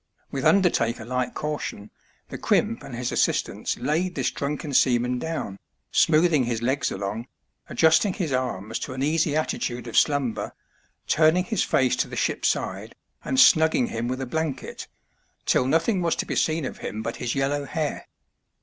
With undertaker like caution the crimp and his assistants laid this drunken seaman down, smoothing his legs along, adjusting his arms to an easy attitude of slumber, turning his face to the ship's side, and snugging him with a blanket, till nothing was to be seen of him but his yellow hair.